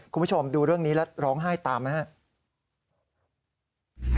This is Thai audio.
คุณผู้ชมดูเรื่องนี้แล้วร้องไห้ตามไหมครับ